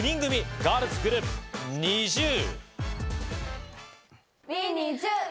ガールズグループ・ＮｉｚｉＵ。